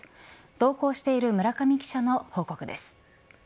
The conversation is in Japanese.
同行している村上記者の報告です。